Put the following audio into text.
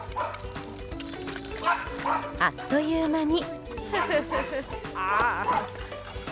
あっという間に。